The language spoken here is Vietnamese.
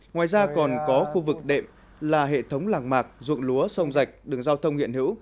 ngoài ra còn có khu vực đệm là hệ thống làng mạc ruộng lúa sông rạch đường giao thông hiện hữu